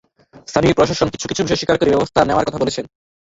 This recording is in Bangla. স্থানীয় প্রশাসন কিছু কিছু বিষয় স্বীকার করে ব্যবস্থা নেওয়ার কথা বলেছেন।